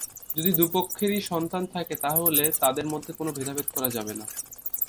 যদি দুপক্ষেরই সন্তান থাকে, তাহলে তাদের মধ্যে কোনো ভেদাভেদ করা যাবে না।